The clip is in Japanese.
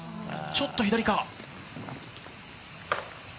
ちょっと左か？